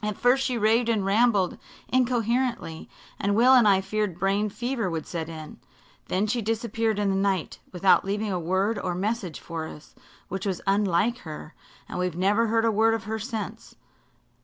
At first she raved and rambled incoherently, and Will and I feared brain fever would set in. Then she disappeared in the night, without leaving a word or message for us, which was unlike her and we've never heard a word of her since.